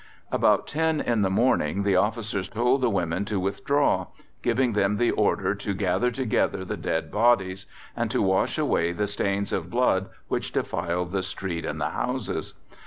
About 10 in the morning the officers told the women to withdraw, giving them the order to gather together the dead bodies and to wash away the stains of blood which defiled the street and the houses.